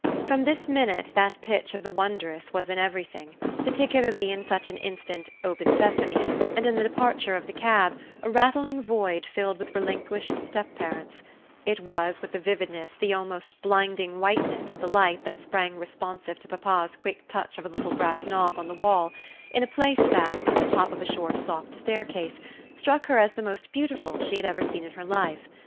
From this minute that pitch of the wondrous was in everything, particularly in such an instant "Open Sesame" and in the departure of the cab, a rattling void filled with relinquished step parents; it was, with the vividness, the almost blinding whiteness of the light that sprang responsive to papa's quick touch of a little brass knob on the wall, in a place that, at the top of a short soft staircase, struck her as the most beautiful she had ever seen in her life.